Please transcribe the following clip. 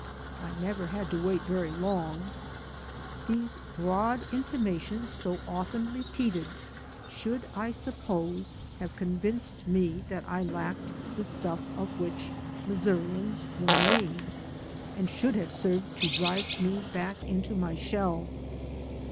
I never had to wait very long. These broad intimations, so often repeated, should, I suppose, have convinced me that I lacked the stuff of which Missourians were made, and should have served to drive me back into my shell.